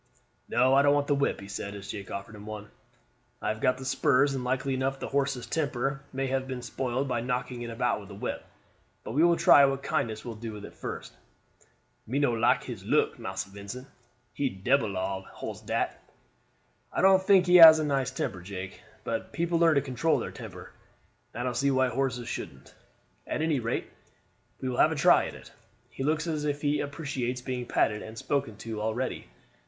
"No, I don't want the whip," he said, as Jake offered him one. "I have got the spurs, and likely enough the horse's temper may have been spoiled by knocking it about with a whip; but we will try what kindness will do with it first." "Me no like his look, Massa Vincent; he debbil ob a hoss dat." "I don't think he has a nice temper, Jake; but people learn to control their temper, and I don't see why horses shouldn't. At any rate we will have a try at it. He looks as if he appreciates being patted and spoken to already.